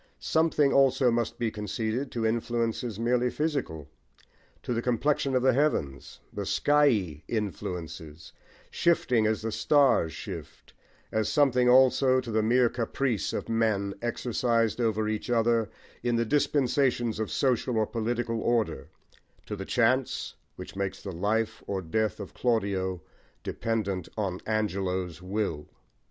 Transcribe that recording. Something also must be conceded to influences merely physical, to the complexion of the heavens, the skyey influences, shifting as the stars shift; as something also to the mere caprice of men exercised over each other in the dispensations of social or political order, to the chance which makes the life or death of Claudio dependent on Angelo's will.